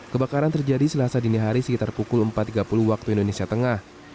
kebakaran terjadi selasa dini hari sekitar pukul empat tiga puluh waktu indonesia tengah